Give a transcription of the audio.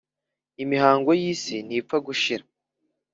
imihangayiko yi si ntipfa gushira